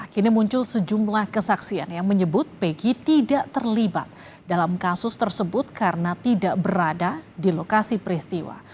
kini muncul sejumlah kesaksian yang menyebut peggy tidak terlibat dalam kasus tersebut karena tidak berada di lokasi peristiwa